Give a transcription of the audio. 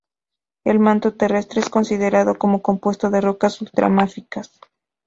El manto terrestre es considerado como compuesto de rocas ultramáficas.